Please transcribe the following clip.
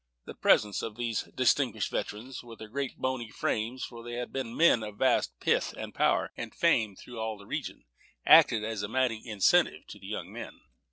The presence of these distinguished veterans, with their great bony frames, for they had been men of vast pith and power, and famed through all the region, acted as a mighty incentive to the young men.